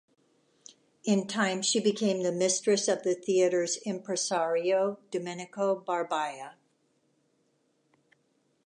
In time she became the mistress of the theater's impresario, Domenico Barbaia.